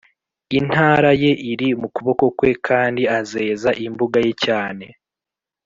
intara ye iri mu kuboko kwe kandi azeza imbuga ye cyane,